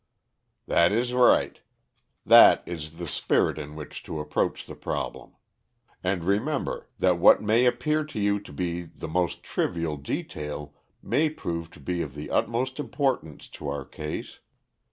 "That is right; that is the spirit in which to approach the problem. And, remember, that what may appear to you to be the most trivial detail may prove to be of the utmost importance to our case.